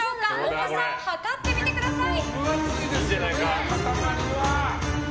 重さを量ってみてください！